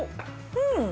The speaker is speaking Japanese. うん。